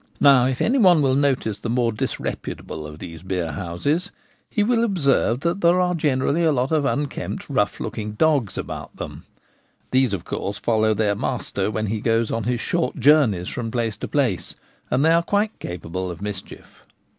Now, if any one will notice the more disreputable of these beer houses, they will observe that there are generally a lot of unkempt, rough looking dogs about them. These, of course, follow their master when he goes on his short journeys from place to place ; and they are quite capable of mischief.